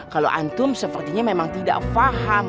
kalau antum sepertinya memang tidak paham